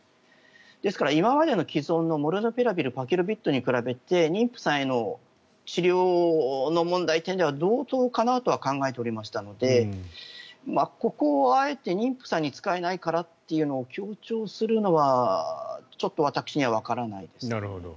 ですから今までの既存のモルヌピラビルパキロビッドに比べて妊婦さんへの治療の問題という点では同等かなと考えておりましたのでここをあえて妊婦さんに使えないからというのを強調するのはちょっと私にはわからないですね。